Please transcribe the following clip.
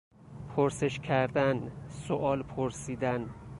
پرسش کردن، سئوال پرسیدن